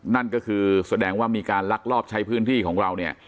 นั่นก็คือแสดงว่ามีการลักลอบใช้พื้นที่ของเราเนี่ย